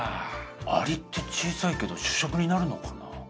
アリって小さいけど主食になるのかな？